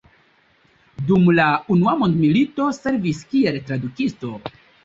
Dum la Unua mondmilito servis kiel tradukisto.